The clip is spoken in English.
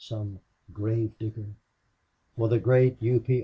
Some grave digger! For the great U. P.